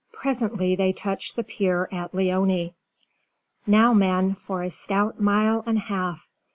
Presently they touched the pier at Leoni. "Now, men, for a stout mile and half!